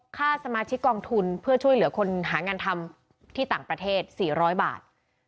ค่าสมาชิกกองทุนเพื่อช่วยเหลือคนหางานทำที่ต่างประเทศ๔๐๐บาท